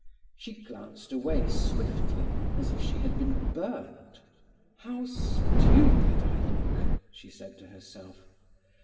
She glanced away swiftly as if she had been burned. "How stupid I look!" she said to herself.